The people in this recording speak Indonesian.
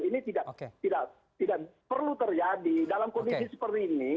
ini tidak perlu terjadi dalam kondisi seperti ini